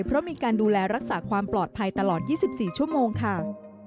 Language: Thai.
เพราะมีการดูแลรักษาความปลอดภัยตลอด๒๔ชั่วโมงค่ะ